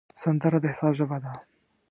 سندره د احساس ژبه ده